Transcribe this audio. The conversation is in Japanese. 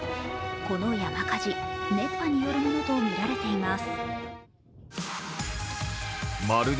この山火事、熱波によるものとみられています。